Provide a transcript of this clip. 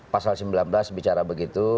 pasal sembilan belas bicara begitu